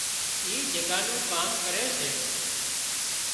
اي جڳا نُون ڪام ڪري سي